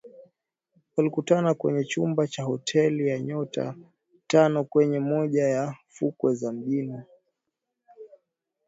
walikutana kwenye chumba cha hotel ya nyota tano kwenye moja ya fukwe za mjini